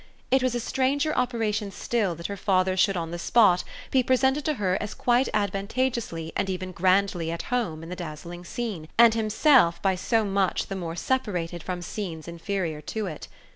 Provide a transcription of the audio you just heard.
It was a stranger operation still that her father should on the spot be presented to her as quite advantageously and even grandly at home in the dazzling scene and himself by so much the more separated from scenes inferior to it.